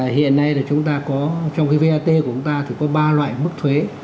hiện nay là chúng ta có trong cái vat của chúng ta thì có ba loại mức thuế